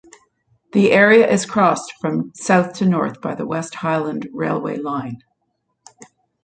The area is crossed from south to north by the West Highland railway line.